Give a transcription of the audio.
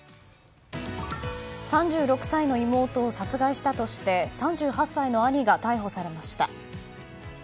３６歳の妹を殺害したとして３８歳の兄が逮捕されました。